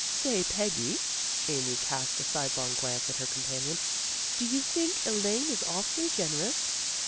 " Say, Peggy! " Amy cast a sidelong glance at her companion. " Do you think Elaine is awfully generous?